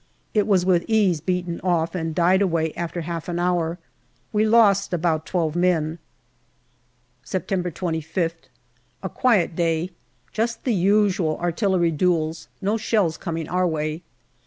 It was with ease beaten off, and died away after half an hour. We lost about twelve men. September 25th. A quiet day ; just the usual artillery duels, no shells coming our way.